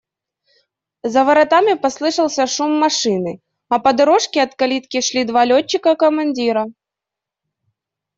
За воротами послышался шум машины, а по дорожке от калитки шли два летчика-командира.